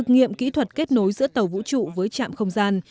nghiệm kỹ thuật kết nối giữa tàu vũ trụ với trạm không gian